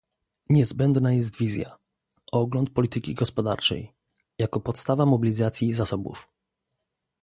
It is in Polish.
Niezbędna jest wizja - ogląd polityki gospodarczej - jako podstawa mobilizacji zasobów